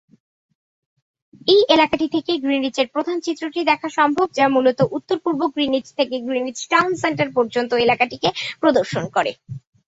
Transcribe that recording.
এই এলাকাটি থেকে গ্রিনিচের প্রধান চিত্রটি দেখা সম্ভব, যা মূলত উত্তর-পূর্ব গ্রিনিচ থেকে গ্রিনিচ টাউন সেন্টার পর্যন্ত এলাকাটিকে প্রদর্শন করে।